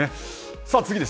さあ、次です。